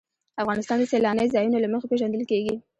افغانستان د سیلانی ځایونه له مخې پېژندل کېږي.